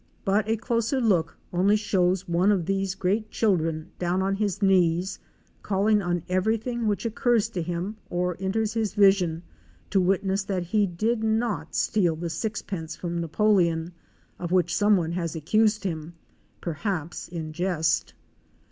But a closer look only shows one of these great children down on his knees, calling on everything which occurs to him or enters his vision to witness that he did noé steal the sixpence from Napoleon, of which some one has accused him, perhaps in jest.